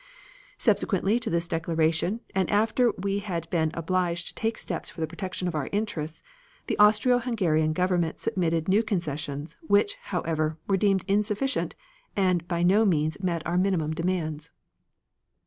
"Subsequently to this declaration, and after we had been obliged to take steps for the protection of our interests, the Austro Hungarian Government submitted new concessions, which, however, were deemed insufficient and by no means met our minimum demands.